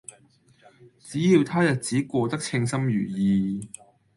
只要他日子過得稱心如意